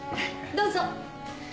どうぞ。